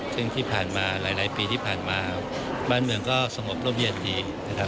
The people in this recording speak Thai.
ซึ่งที่ผ่านมาหลายปีที่ผ่านมาบ้านเมืองก็สมบลงเรียนดี